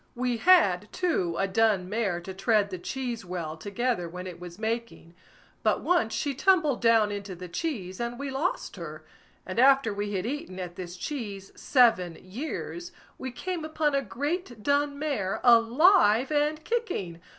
We had, too a dun mare to tread the cheese well together when it was making; but once she tumbled down into the cheese, and we lost her; and after we had eaten at this cheese seven years, we came upon a great dun mare, alive and kicking.